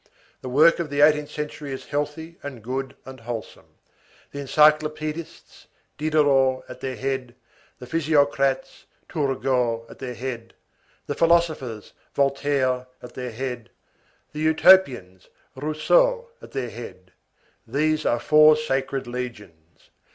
The work of the eighteenth century is healthy and good and wholesome. The encyclopedists, Diderot at their head; the physiocrates, Turgot at their head; the philosophers, Voltaire at their head; the Utopians, Rousseau at their head,—these are four sacred legions.